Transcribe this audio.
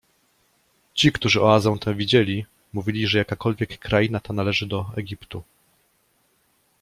Ci, którzy oazę tę widzieli, mówili, że jakakolwiek kraina ta należy do Egiptu.